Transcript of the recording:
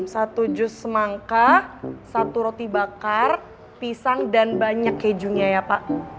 satu jus semangka satu roti bakar pisang dan banyak kejunya ya pak